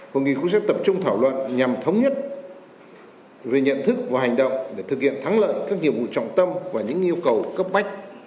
hội nghị cũng sẽ tập trung thảo luận nhằm thống nhất về nhận thức và hành động để thực hiện thắng lợi các nhiệm vụ trọng tâm và những yêu cầu cấp bách